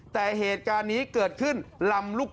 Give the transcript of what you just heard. แต่เหตุการณ์นี้เกิดขึ้นลำลูกกา